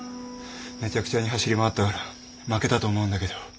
めちゃくちゃに走り回ったからまけたと思うんだけど。